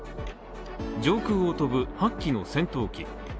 上空を飛ぶ８機の戦闘機